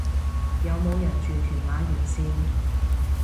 有冇人住屯馬沿線